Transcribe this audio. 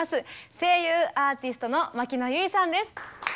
声優アーティストの牧野由依さんです。